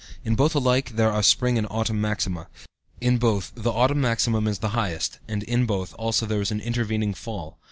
In both alike there are spring and autumn maxima, in both the autumn maximum is the highest, and in both also there is an intervening fall.